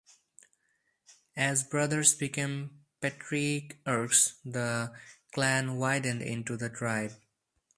As brothers became patriarchs, the clan widened into the tribe.